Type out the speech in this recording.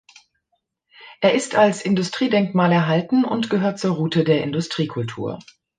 Es ist als Industriedenkmal erhalten und gehört zur Route der Industriekultur.